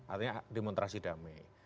artinya demonstrasi damai